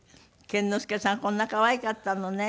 健之介さんこんな可愛かったのね。